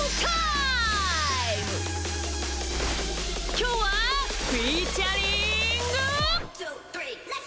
きょうはフィーチャリング！